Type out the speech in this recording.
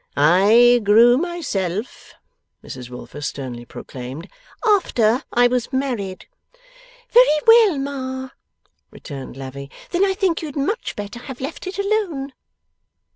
'I grew, myself,' Mrs Wilfer sternly proclaimed, 'after I was married.' 'Very well, Ma,' returned Lavvy, 'then I think you had much better have left it alone.